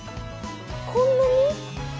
こんなに？